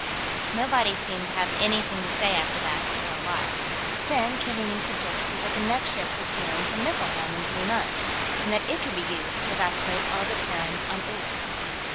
Nobody seemed to have anything to say after that, for a while. Then Keaveney suggested that the next ship was due in from Niflheim in three months, and that it could be used to evacuate all the Terrans on Uller.